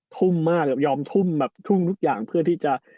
ทุ่มมากยอมทุ่มแบบทุ่มทุกอย่างเพื่อที่จะ